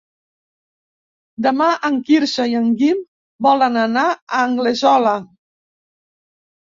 Demà en Quirze i en Guim volen anar a Anglesola.